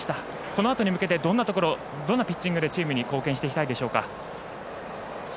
このあとに向けて、どんなところどんなピッチングでチームに貢献していきたいでしょうか。